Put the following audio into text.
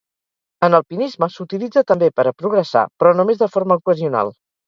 En alpinisme s'utilitza també per a progressar, però només de forma ocasional.